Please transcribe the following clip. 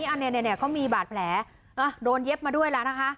แบบนี้อันนี้เนี้ยเนี้ยเขามีบาดแผลอะโดนเย็บมาด้วยแล้วนะคะ